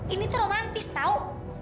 ini tuh romantis tau